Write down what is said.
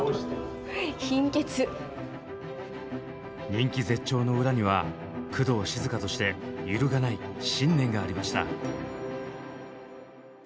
人気絶頂の裏には工藤静香として揺るがない信念がありました。